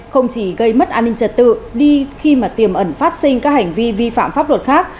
không chỉ gây mất an ninh trật tự đi khi mà tiềm ẩn phát sinh các hành vi vi phạm pháp luật khác